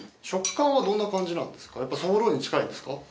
食感はどんな感じなんですかやっぱそぼろに近いんですか？